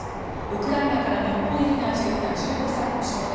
ウクライナから日本へ避難してきた１５歳の少年。